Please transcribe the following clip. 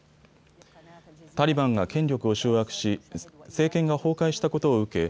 タリバンが権力を掌握し政権が崩壊したことを受け